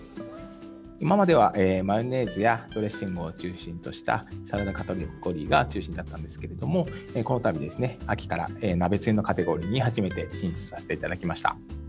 今まではマヨネーズや、ドレッシングを中心としたサラダカテゴリーが中心だったんですけれども、このたび秋から、鍋つゆのカテゴリーに初めて進出させていただきました。